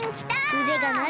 うでがなる！